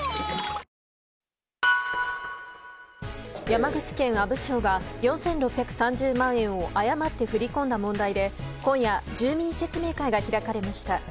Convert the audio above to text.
山口県阿武町が４６３０万円を誤って振り込んだ問題で今夜住民説明会が開かれました。